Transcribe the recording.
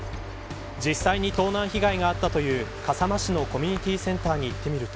実際に盗難被害があったという笠間市のコミュニティセンターに行ってみると。